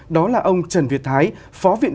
đó là ông trần việt thái phó viện trưởng